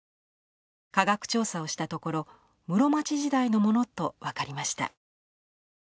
科学調査をしたところ室町時代のものと分かりました。